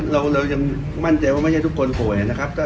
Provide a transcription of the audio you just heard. เรายังมั่นใจว่าไม่ใช่ทุกคนป่วยนะครับ